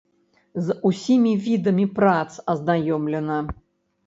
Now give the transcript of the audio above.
З усімі відамі прац азнаёмлена.